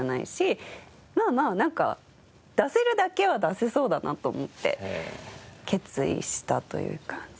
まあまあ出せるだけは出せそうだなと思って決意したという感じ。